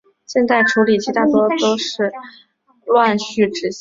现代处理器大都是乱序执行。